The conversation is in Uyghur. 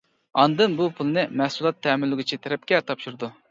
ئاندىن بۇ پۇلنى مەھسۇلات تەمىنلىگۈچى تەرەپكە تاپشۇرىدۇ.